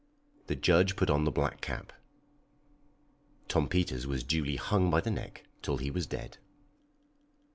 The judge put on the black cap. Tom Peters was duly hung by the neck till he was dead.